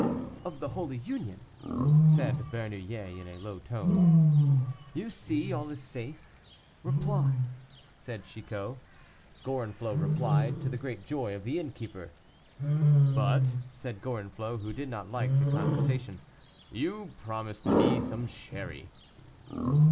"Of the Holy Union," said Bernouillet, in a low tone. "You see all is safe; reply," said Chicot. Gorenflot replied, to the great joy of the innkeeper. "But," said Gorenflot, who did not like the conversation, "you promised me some sherry."